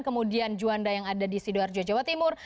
kemudian juanda yang ada di sidoarjo jawa timur